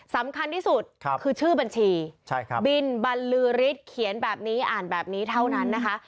สำคัญที่สุดคือชื่อบัญชีบินบรรลือฤทธิ์เขียนแบบนี้อ่านแบบนี้เท่านั้นนะคะ